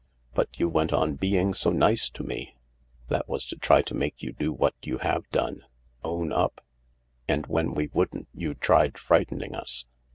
" But you went on being so nice to me !"" That was to try to make you do what you have done — own up." " And when we wouldn't you tried frightening us